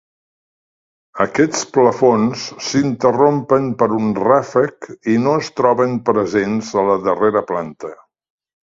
Aquests plafons s'interrompen per un ràfec i no es troben presents a la darrera planta.